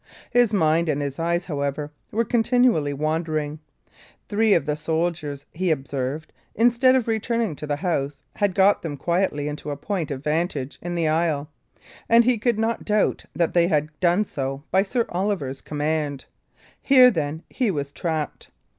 His mind and his eyes, however, were continually wandering. Three of the soldiers, he observed, instead of returning to the house, had got them quietly into a point of vantage in the aisle; and he could not doubt that they had done so by Sir Oliver's command. Here, then, he was trapped.